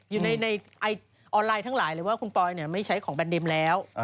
อยู่ในออนไลน์ทั้งหลายเลยว่าคุณปอยไม่ใช้ของแนนเดมแล้ว